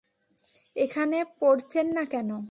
এখানে পড়ছেন না কেন?